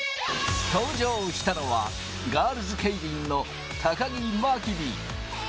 登場したのは、ガールズケイリンの高木真備。